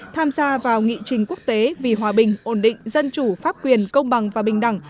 tham gia vào nghị trình quốc tế vì hòa bình ổn định dân chủ pháp quyền công bằng và bình đẳng